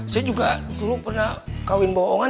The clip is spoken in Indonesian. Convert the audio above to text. saya juga dulu pernah kawin bohongan